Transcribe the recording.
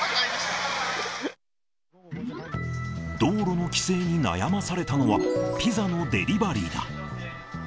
道路の規制に悩まされたのは、ピザのデリバリーだ。